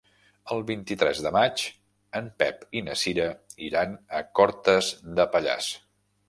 El vint-i-tres de maig en Pep i na Cira iran a Cortes de Pallars.